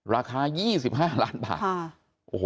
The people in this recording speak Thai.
ราคา๒๕ล้านบาท